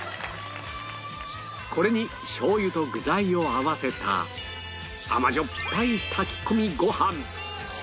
これにしょう油と具材を合わせた甘じょっぱい炊き込みご飯